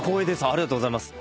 ありがとうございます。